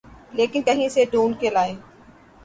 لیکن کہیں سے ڈھونڈ کے لائے۔